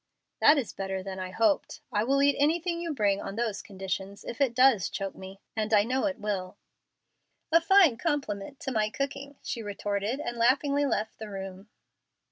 "That is better than I hoped. I will eat anything you bring on those conditions, if it does choke me and I know it will." "A fine compliment to my cooking," she retorted and laughingly left the room.